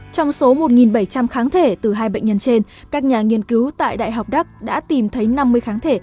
trong số một bảy trăm linh kháng thể từ hai bệnh nhân trên các nhà nghiên cứu tại đại học đắk đã tìm thấy năm mươi kháng thể